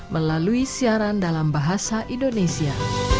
melalui siaran dalam bahasa indonesia